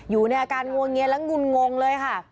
อยู่ในอาการงวงเงียนและงุนงงเลยค่ะ